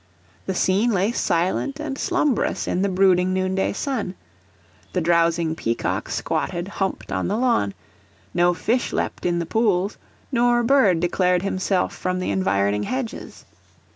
The scene lay silent and slumbrous in the brooding noonday sun: the drowsing peacock squatted humped on the lawn, no fish leapt in the pools, nor bird declared himself from the environing hedges.